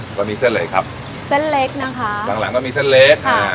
ก็มีเส้นอะไรครับเส้นเล็กนะคะหลังหลังก็มีเส้นเล็กค่ะ